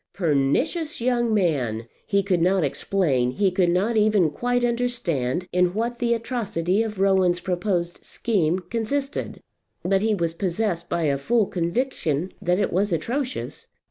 Pernicious young man! He could not explain, he could not even quite understand in what the atrocity of Rowan's proposed scheme consisted, but he was possessed by a full conviction that it was atrocious.